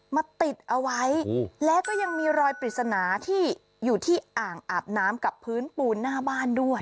มาติดเอาไว้แล้วก็ยังมีรอยปริศนาที่อยู่ที่อ่างอาบน้ำกับพื้นปูนหน้าบ้านด้วย